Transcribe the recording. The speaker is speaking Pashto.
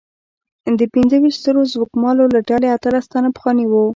د پنځه ویشت سترو ځمکوالو له ډلې اتلس تنه پخواني وو.